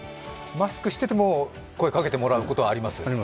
マスクしてても、声かけてもらうことはあります。